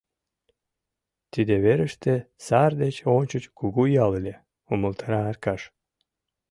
— Тиде верыште сар деч ончыч кугу ял ыле, — умылтара Аркаш.